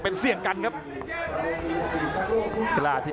อัศวินาศาสตร์